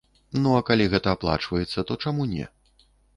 Ну а калі гэта аплачваецца, то чаму не?